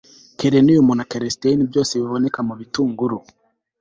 selenium na quercétine byose biboneka mu bitunguru